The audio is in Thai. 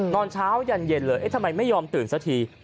ตอนเช้ายันเย็นเลยทำไมไม่ยอมตื่นสักที